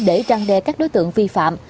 để trăng đề các đối tượng vi phạm